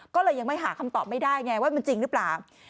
ก็เลยยังไม่หาคำตอบไม่ได้ไงว่ามันจริงหรือเปล่า